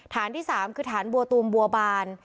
ฐานที่๓คือฐานบัวตูมบัวบาน